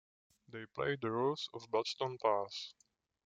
They play the rulers of Bloodstone Pass.